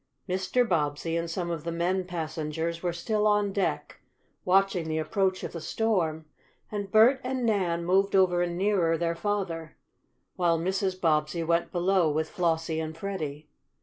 Mr. Bobbsey and some of the men passengers were still on deck, watching the approach of the storm, and Bert and Nan moved over nearer their father, while Mrs. Bobbsey went below with Flossie and Freddie.